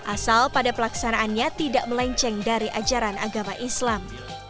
asal pada pelaksanaannya tidak melenceng dari ajaran agama islam